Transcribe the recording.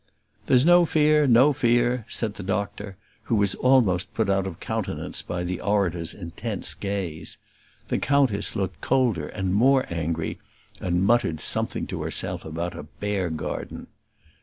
"There's no fear, no fear," said the doctor, who was almost put out of countenance by the orator's intense gaze. The countess looked colder and more angry, and muttered something to herself about a bear garden.